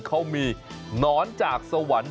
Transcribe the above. เขามีหนอนจากสวรรค์